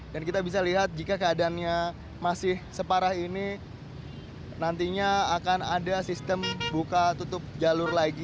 dan kita bisa lihat jika keadaannya masih separah ini nantinya akan ada sistem buka tutup jalur lainnya